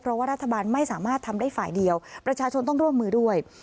เพราะว่ารัฐบาลไม่สามารถทำได้ฝ่ายเดียวประชาชนต้องร่วมมือด้วย